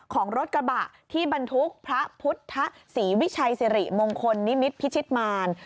ของรถกระบะที่บรรทุกพระพุทธศรีวิชัยสิริมงคลนิมิตพิชิตมาร